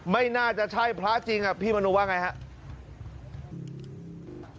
ไม่น่าจะใช่พระจริงพี่มนูว่าไงครับ